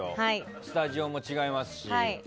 スタジオも違いますし。